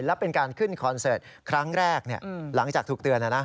และเป็นการขึ้นคอนเสิร์ตครั้งแรกหลังจากถูกเตือน